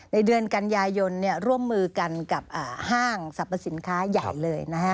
ในเดือนกันยายนร่วมมือกันกับห้างสรรพสินค้าใหญ่เลยนะฮะ